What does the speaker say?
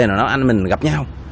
nói anh mình gặp nhau